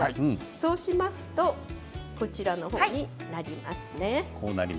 そうしますとこちらのほうになります。